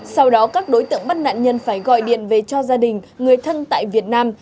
sau đó các đối tượng bắt nạn nhân phải gọi điện về cho gia đình người thân tại việt nam